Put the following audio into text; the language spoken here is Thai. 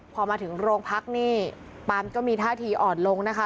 พอมาถึงโรงพักนี่ปามก็มีท่าทีอ่อนลงนะคะ